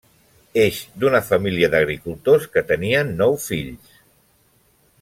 Eix d'una família d'agricultors que tenien nou fills.